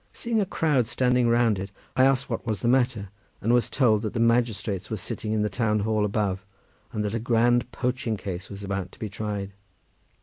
Seeing a crowd standing round it, I asked what was the matter, and was told that the magistrates were sitting in the town hall above, and that a grand poaching case was about to be tried.